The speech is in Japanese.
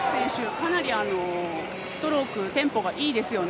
かなりストロークテンポがいいですよね。